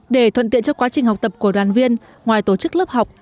để thuận tiện cho quá trình học tập của đoàn viên ngoài tổ chức lớp học